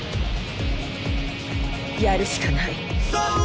やるしかない。